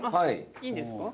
いいんですか？